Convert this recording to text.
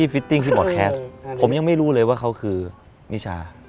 ฟิตติ้งที่บอร์ดแคสต์ผมยังไม่รู้เลยว่าเขาคือนิชา